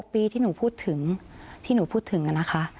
ปีที่หนูพูดถึงที่หนูพูดถึงนะคะ